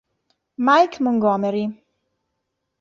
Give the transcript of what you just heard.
Mike Montgomery